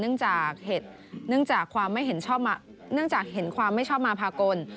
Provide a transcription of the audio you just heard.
เนื่องจากเห็นความไม่ชอบมาภากล